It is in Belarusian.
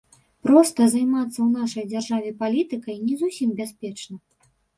Проста, займацца ў нашай дзяржаве палітыкай не зусім бяспечна.